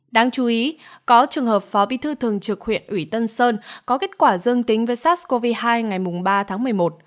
đáng chú ý có trường hợp phó bí thư thường trực huyện ủy tân sơn có kết quả dương tính với sars cov hai ngày ba tháng một mươi một